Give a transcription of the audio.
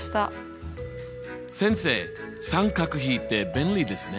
先生三角比って便利ですね。